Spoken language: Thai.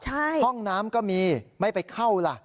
ห้องน้ำก็มีไม่ไปเข้าล่ะ